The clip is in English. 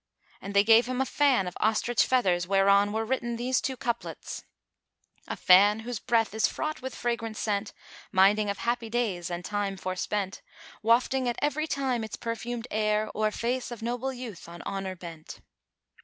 And they gave him a fan of ostrich feathers, whereon were written these two couplets, "A fan whose breath is fraught with fragrant scent; * Minding of happy days and times forspent, Wafting at every time its perfumed air * O'er face of noble youth on honour bent."